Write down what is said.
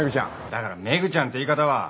だからメグちゃんって言い方は。